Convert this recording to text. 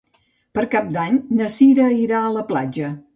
Per Cap d'Any na Sira irà a la platja.